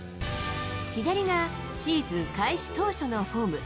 左がシーズン開始当初のフォーム。